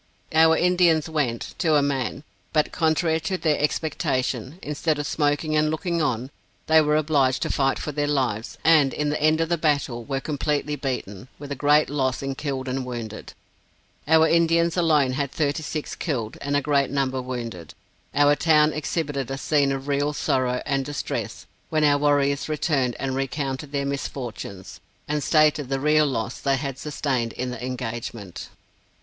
Our Indians went, to a man; but contrary to their expectation, instead of smoking and looking on, they were obliged to fight for their lives, and in the end of the battle were completely beaten, with a great loss in killed and wounded. Our Indians alone had thirty six killed, and a great number wounded. Our town exhibited a scene of real sorrow and distress, when our warriors returned and recounted their misfortunes, and stated the real loss they had sustained in the engagement.